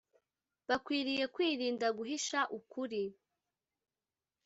bakwiriye kwirinda guhisha ukuri